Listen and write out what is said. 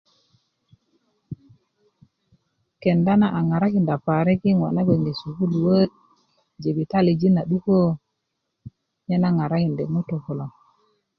kenda na a ŋarakinda parik yi ŋo' nabgoŋ bge sukuluwöt jibitaliyat a 'dukö nye na ŋarakindi ŋutuu kulo